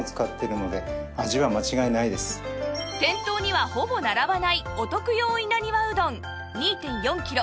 店頭にはほぼ並ばないお徳用稲庭うどん ２．４ キロ